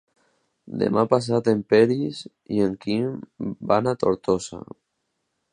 Demà passat en Peris i en Quim van a Tortosa.